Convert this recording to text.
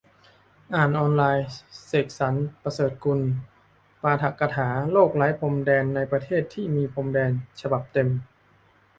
อ่านออนไลน์ เสกสรรค์ ประเสริฐกุล ปาฐกถา "โลกไร้พรมแดนในประเทศที่มีพรมแดน" ฉบับเต็ม